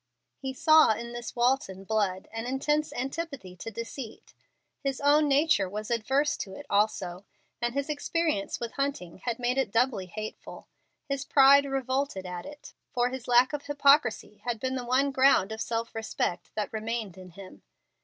He saw in this Walton blood an intense antipathy to deceit. His own nature was averse to it also, and his experience with Hunting had made it doubly hateful. His pride revolted at it, for his lack of hypocrisy had been the one ground of self respect that remained in him.